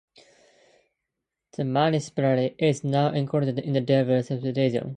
The municipality is now included in the Drava Statistical Region.